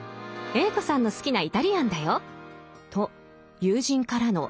Ａ子さんの好きなイタリアンだよ」と友人からの甘い誘惑。